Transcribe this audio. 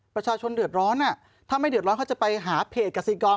ประชาชนเดือดร้อนถ้าไม่เดือดร้อนเขาจะไปหาเพจกสิกร